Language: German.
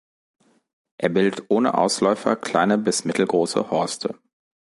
Er bildet ohne Ausläufer kleine bis mittelgroße Horste.